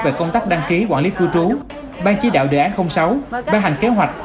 về công tác đăng ký quản lý cư trú ban chí đạo đề án sáu ban hành kế hoạch